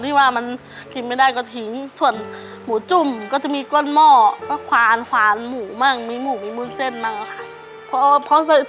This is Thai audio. แล้วแม่รู้มั้ยว่าหนูเก็บมามันไม่ใช่ของใหม่